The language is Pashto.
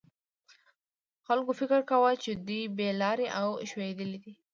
خلکو فکر کاوه چې دوی بې لارې او ښویېدلي دي.